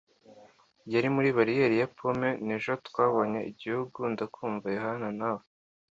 yari muri barriel ya pome nijoro twabonye igihugu, ndakumva, Yohana, nawe,